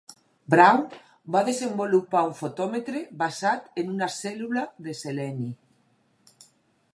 Brown va desenvolupar un fotòmetre basat en una cèl·lula de seleni.